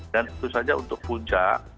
dan itu saja untuk puncak